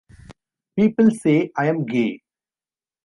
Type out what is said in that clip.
People say I'm gay...